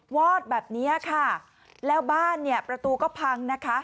วอดแบบเนี้ยค่ะแล้วบ้านเนี่ยประตูก็พังนะคะ